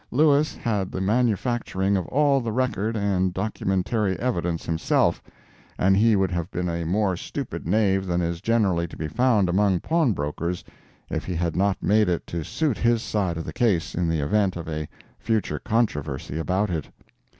Lewis had the manufacturing of all the record and documentary evidence himself, and he would have been a more stupid knave than is generally to be found among pawn brokers, if he had not made it to suit his side of the case in the event of a future controversy about it.